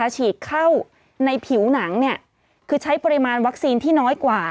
ฉีกเข้าในผิวหนังคือใช้ปริมาณวัคซีนที่น้อยกว่า